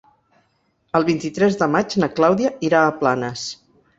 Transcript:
El vint-i-tres de maig na Clàudia irà a Planes.